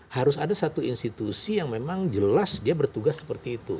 harus ada satu institusi yang memang jelas dia bertugas seperti itu